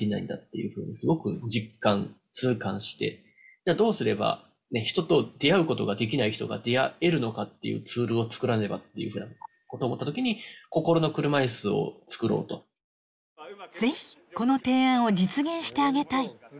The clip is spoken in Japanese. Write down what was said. じゃあどうすれば人と出会うことができない人が出会えるのかっていうツールを作らねばっていうようなことを思った時にぜひこの提案を実現してあげたい。